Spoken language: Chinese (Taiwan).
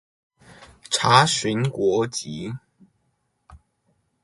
查詢國籍